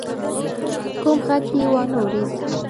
کوم غږ يې وانه ورېد.